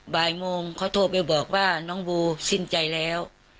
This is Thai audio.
บ่ายโมงเขาโทรไปบอกว่าน้องบูสิ้นใจแล้ว